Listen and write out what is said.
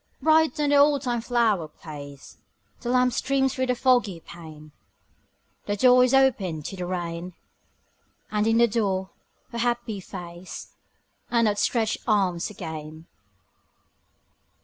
Bright on the oldtime flower place The lamp streams through the foggy pane; The door is opened to the rain: And in the door her happy face And outstretched arms again.